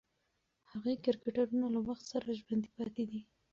هغې کرکټرونه له وخت سره ژوندۍ پاتې دي.